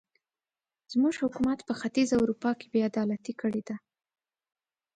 زموږ حکومت په ختیځه اروپا کې بې عدالتۍ کړې دي.